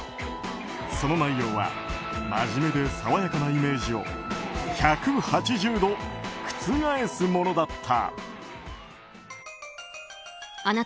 その内容は真面目で爽やかなイメージを１８０度覆すものだった。